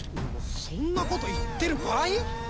そんなこと言ってる場合？